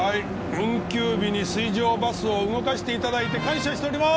運休日に水上バスを動かしていただいて感謝しておりまーす！